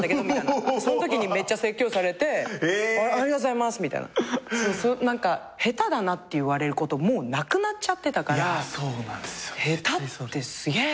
そのときにめっちゃ説教されて「ありがとうございます」みたいな。下手だなって言われることもうなくなっちゃってたから下手ってすげえと思って。